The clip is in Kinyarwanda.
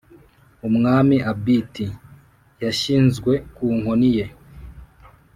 umwami abit yashyizwe ku nkoni ye,